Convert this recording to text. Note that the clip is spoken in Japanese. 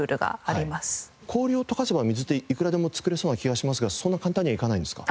氷を溶かせば水っていくらでも作れそうな気がしますがそんな簡単にはいかないんですか？